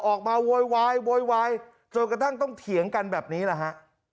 ออกมาโวยวายโวยวายโยยกระทั่งต้องเถียงกันแบบนี้หรือฮะ